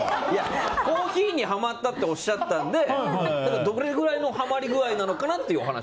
コーヒーにはまったっておっしゃったんでどれぐらいのはまり具合なのかなって。